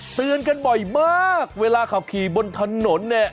เตือนกันบ่อยมากเวลาขับขี่บนถนนเนี่ย